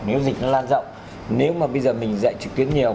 nếu dịch nó lan rộng nếu mà bây giờ mình dạy trực tuyến nhiều